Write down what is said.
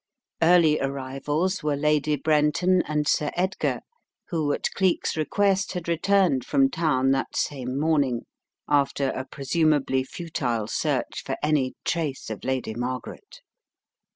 Early arrivals were Lady Brenton and Sir Edgar, who at Cleek's request had returned from town that same morning, after a presumably futile search for any trace of Lady Margaret.